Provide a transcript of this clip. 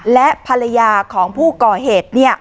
และภรรยาของผู้ก่อเหตุ